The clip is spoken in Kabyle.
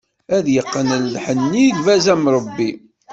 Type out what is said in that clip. Ad yeqqen lḥenni, lbaz imṛebbi.